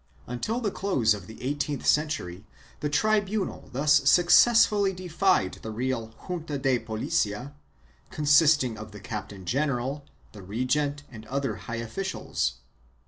Until the close of the eighteenth century the tribunal thus successfully defied the Real Junta de Policia, consisting of the captain general, the regente and other high officials.